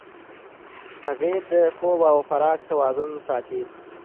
هغې د خوب او خوراک توازن ساتي.